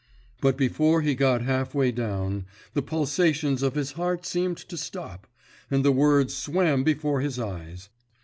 But before he had got half way down the pulsations of his heart seemed to stop, and the words swam before his eyes.